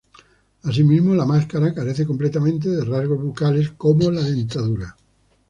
Así mismo la máscara carece completamente de rasgos bucales como la dentadura.